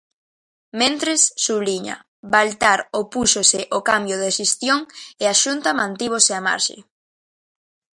Mentres, subliña, "Baltar opúxose ao cambio de xestión e a Xunta mantívose á marxe".